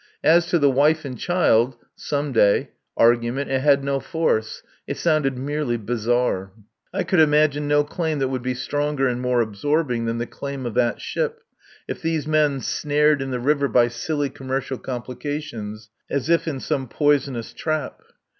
As to the wife and child (some day) argument, it had no force. It sounded merely bizarre. I could imagine no claim that would be stronger and more absorbing than the claim of that ship, of these men snared in the river by silly commercial complications, as if in some poisonous trap.